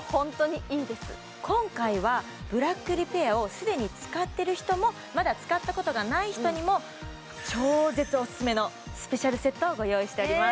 今回はブラックリペアを既に使ってる人もまだ使ったことがない人にも超絶おすすめのスペシャルセットをご用意しております